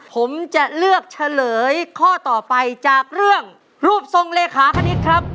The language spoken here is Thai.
ผมจะเลือกเฉลยข้อต่อไปจากเรื่องรูปทรงเลขาคณิตครับ